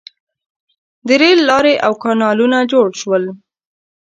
• د رېل لارې او کانالونه جوړ شول.